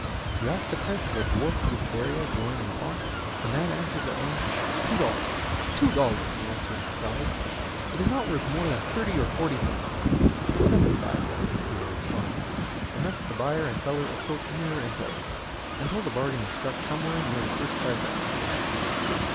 You ask the price of a dwarf wistaria growing in a pot. The man answers at once, "Two dollars." "Two dollars!" you answer in surprise, "it is not worth more than thirty or forty cents." "Seventy five, then," he will respond; and thus the buyer and seller approach nearer in price, until the bargain is struck somewhere near the first price offered.